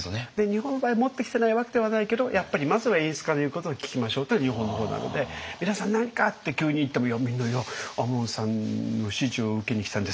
日本の場合持ってきてないわけではないけどやっぱりまずは演出家の言うことを聞きましょうというのが日本の方なので「皆さん何か！」って急に言ってもみんな「いや亞門さんの指示を受けに来たんです」。